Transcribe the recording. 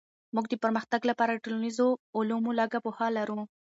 موږ د پرمختګ لپاره د ټولنيزو علومو لږه پوهه لرو.